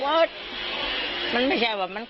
เพราะไม่เคยถามลูกสาวนะว่าไปทำธุรกิจแบบไหนอะไรยังไง